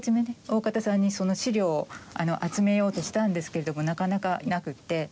大片さんにその資料を集めようとしたんですけれどもなかなかなくって。